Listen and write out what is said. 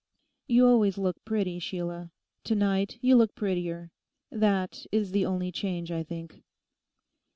'You always look pretty, Sheila; to night you look prettier: that is the only change, I think.